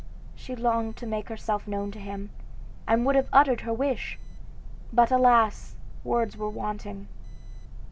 She longed to make herself known to him, and would have uttered her wish; but, alas! words were wanting.